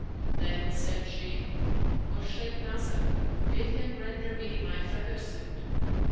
Then said she, 'O Shaykh Nasr, bid him render me my feather suit.'